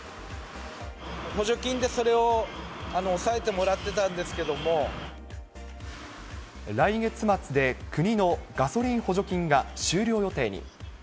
補助金でそれを抑えてもらっ来月末で、国のガソリン補助金が終了予定に。